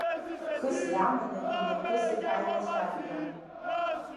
Хыс даманы имҩаԥысит аилацәажәара.